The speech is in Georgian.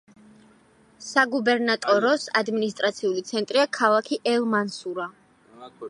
საგუბერნატოროს ადმინისტრაციული ცენტრია ქალაქი ელ-მანსურა.